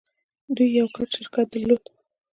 دوی يو ګډ شرکت درلود.